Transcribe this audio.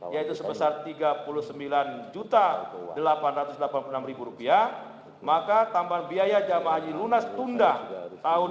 yaitu sebesar rp tiga puluh sembilan delapan ratus delapan puluh enam maka tambahan biaya jamaah haji lunas tunda tahun dua ribu dua puluh